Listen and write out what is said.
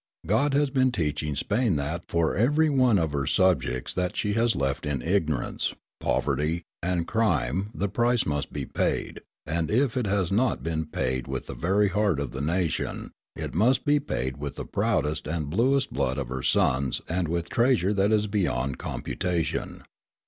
God has been teaching Spain that for every one of her subjects that she has left in ignorance, poverty, and crime the price must be paid; and, if it has not been paid with the very heart of the nation, it must be paid with the proudest and bluest blood of her sons and with treasure that is beyond computation.